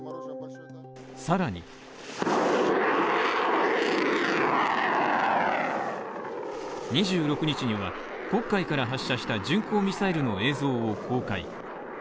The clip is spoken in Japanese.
更に２６日には黒海から発射した巡航ミサイルの映像を公開。